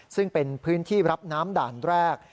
ซึ่งเป็นพื้นที่รับน้ำด่านแรก